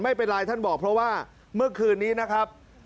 ไม่เป็นไรท่านบอกเพราะว่าเมื่อคืนนี้นะครับ